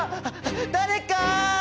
誰か！